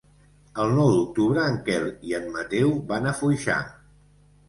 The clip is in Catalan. El nou d'octubre en Quel i en Mateu van a Foixà.